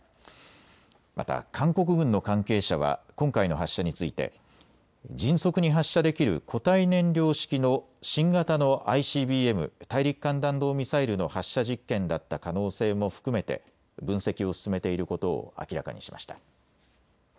また韓国軍の関係者は今回の発射について迅速に発射できる固体燃料式の新型のＩＣＢＭ・大陸間弾道ミサイルの発射実験だった可能性も含めて分析を進めていることを明らかにしました。